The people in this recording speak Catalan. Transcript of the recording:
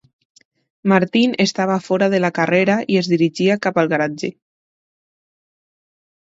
Martin estava fora de la carrera i es dirigia cap al garatge.